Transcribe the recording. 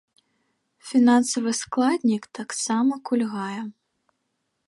Фінансавы складнік таксама кульгае.